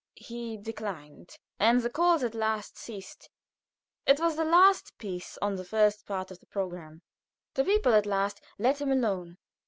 He declined, and the calls at last ceased. It was the last piece on the first part of the programme. The people at last let him alone.